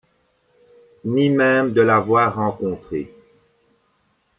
Ni même de l'avoir rencontré.